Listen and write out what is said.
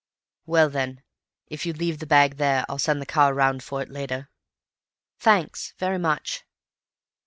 "Well, then, if you leave the bag there, I'll send the car round for it later." "Thanks very much."